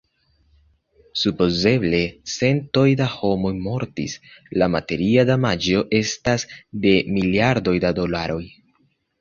Supozeble centoj da homoj mortis; la materia damaĝo estas de miliardoj da dolaroj.